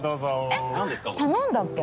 えっ頼んだっけ？